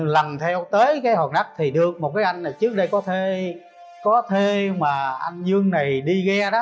lần theo tới cái hòn đất thì được một cái anh này trước đây có thê mà anh dương này đi ghe đó